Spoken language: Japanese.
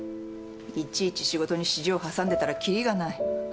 いちいち仕事に私情挟んでたら切りがない。